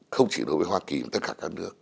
không chỉ đối với hoa kỳ mà tất cả các nước